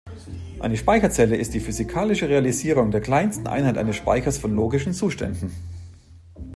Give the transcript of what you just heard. Eine Speicherzelle ist die physikalische Realisierung der kleinsten Einheit eines Speichers von logischen Zuständen.